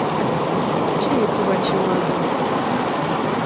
Kiyitibwa kiwabyo.